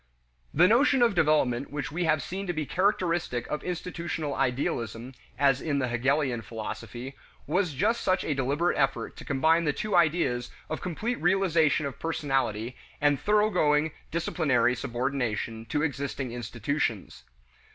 The notion of development which we have seen to be characteristic of institutional idealism (as in the Hegelian philosophy) was just such a deliberate effort to combine the two ideas of complete realization of personality and thoroughgoing "disciplinary" subordination to existing institutions.